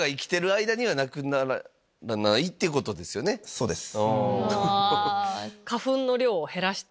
そうです。